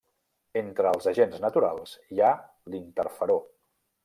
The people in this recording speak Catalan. Entre els agents naturals hi ha l'interferó.